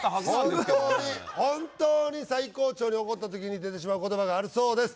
本当に本当に最高潮に怒った時に出てしまう言葉があるそうです